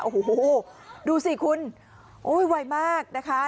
โอ้โหดูสิคุณโอ้ยไวมากนะคะ